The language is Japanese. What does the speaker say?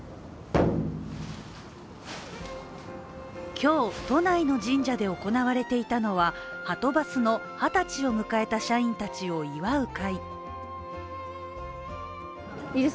今日、都内の神社で行われていたのははとバスの二十歳を迎えた社員たちを祝う会。